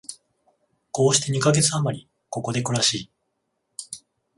こうして二カ月あまり、ここで暮らし、